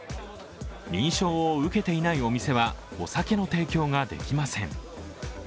認証を受けていないお店はお酒の提供ができません。